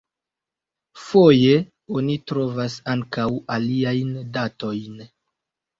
Foje oni trovas ankaŭ aliajn datojn.